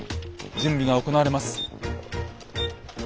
準備が行われます。